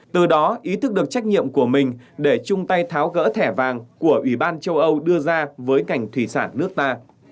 từ đó ý thức được trách nhiệm của mình để chung tay tháo gỡ thẻ vàng của ủy ban châu âu đưa ra với ngành thủy sản nước ta